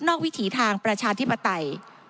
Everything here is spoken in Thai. วิถีทางประชาธิปไตย